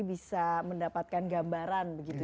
bisa mendapatkan gambaran